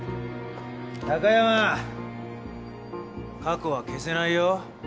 貴山過去は消せないよ。